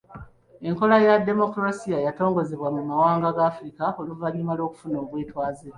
Enkola ya demokolasiya yatongozebwa mu mawanga ga Afirika oluvannyuma lw’okufuna obwetwaze.